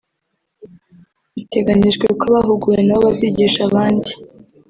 Biteganijwe ko abahuguwe na bo bazigisha abandi